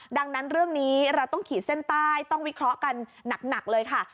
ดังนั้นเรื่องนี้เราต้องขีดเส้นใต้ต้องวิเคราะห์กันหนักเลยค่ะ